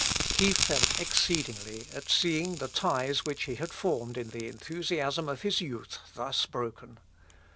He felt exceedingly at seeing the ties which he had formed in the enthusiasm of his youth, thus broken.